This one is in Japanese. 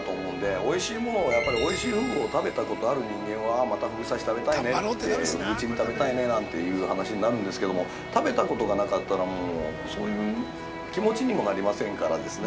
おいしいものをやっぱり、おいしいふぐを食べたことがある人間はまた、ふぐ刺し食べたいねってふぐちり食べたいねなんていう話になるんですけども食べたことがなかったらそういう気持ちにもなりませんからですね。